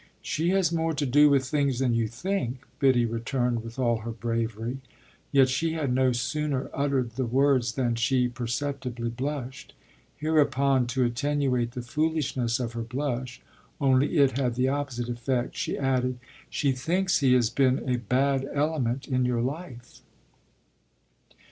"She has more to do with things than you think," Biddy returned with all her bravery. Yet she had no sooner uttered the words than she perceptibly blushed. Hereupon, to attenuate the foolishness of her blush only it had the opposite effect she added: "She thinks he has been a bad element in your life."